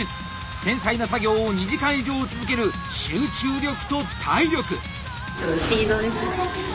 繊細な作業を２時間以上続ける集中力と体力！